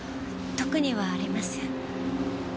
特にはありません。